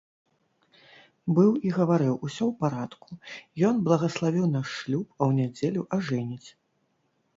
Быў і гаварыў, усё ў парадку, ён благаславіў наш шлюб, а ў нядзелю ажэніць.